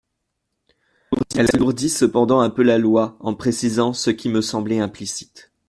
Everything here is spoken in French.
Elle alourdit cependant un peu la loi en précisant ce qui me semblait implicite.